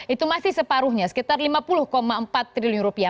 itu masih separuhnya sekitar lima puluh empat triliun rupiah